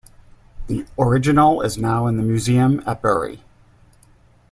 The original is now in the museum at Bury.